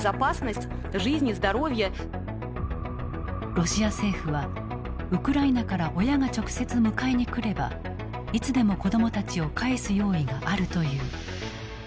ロシア政府はウクライナから親が直接迎えに来ればいつでも子どもたちを帰す用意があるという。